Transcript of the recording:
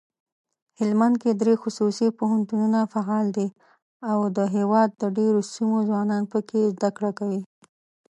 هلمندکې دري خصوصي پوهنتونونه فعال دي اودهیواد دډیروسیمو ځوانان پکښي زده کړه کوي.